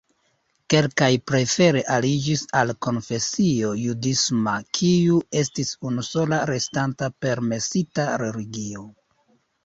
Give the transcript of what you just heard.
Kelkaj prefere aliĝis al konfesio judisma, kiu estis unusola restanta permesita religio.